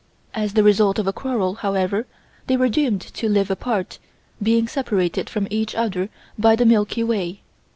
As the result of a quarrel, however, they were doomed to live apart, being separated from each other by the "Milky Way."